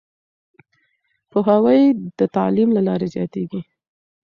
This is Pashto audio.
پوهاوی د تعليم له لارې زياتېږي.